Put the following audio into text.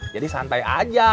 jadi santai aja